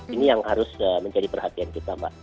ini yang harus menjadi perhatian kita mbak